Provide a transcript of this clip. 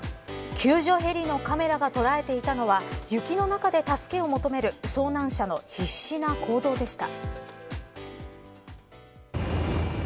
救助ヘリのカメラが捉えていたのは雪の中で助けを求める遭難者の必死な行動でした。